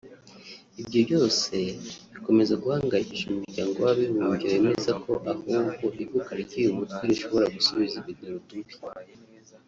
Ibyo byose bikomeza guhangayikisha umuryango w’Abibumbye wemeza ko ahubwo ivuka ry’uyu mutwe rishobora gusubiza ibintu irudubi